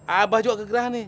abah juga kegerahan nih